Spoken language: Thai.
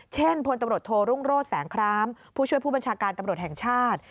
พลตำรวจโทรุ่งโรศแสงครามผู้ช่วยผู้บัญชาการตำรวจแห่งชาติ